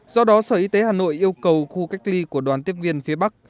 do đó sở y tế hà nội yêu cầu khu cách ly của đoàn tiếp viên phía bắc